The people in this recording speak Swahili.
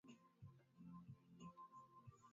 tusi wale wakubwa wengine wanaosimamia mpira na kadhalika